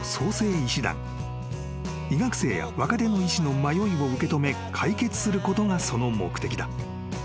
［医学生や若手の医師の迷いを受け止め解決することがその目的だ］